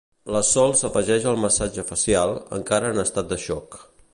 La Sol s'afegeix al massatge facial, encara en estat de xoc.